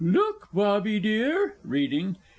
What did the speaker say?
Look, Bobby, dear (reading).